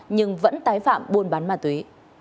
nhưng vẫn tái phạm buôn bán ma túy